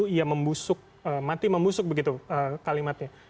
ia mati membusuk begitu kalimatnya